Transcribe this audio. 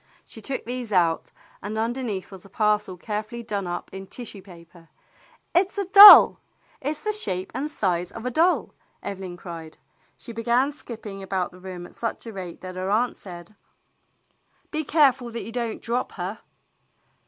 She took these out, and underneath was a parcel carefully done up in tissue paper. "It's a doll! *It's the shape and size of a doll!" Evelyn cried. She began skipping about the room at such a rate that her aunt said, — 18 THE BLUE AUNT "Be careful that you don't drop her."